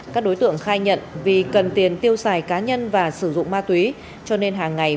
các đối tượng khai nhận vì cần tiền tiêu xài cá nhân và sử dụng ma túy cho nên hàng ngày